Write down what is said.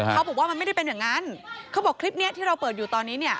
เขาบอกว่ามันไม่ได้เป็นอย่างนั้นเขาบอกคลิปนี้ที่เราเปิดอยู่ตอนนี้เนี่ย